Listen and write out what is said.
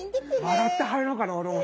笑って入ろうかな俺も。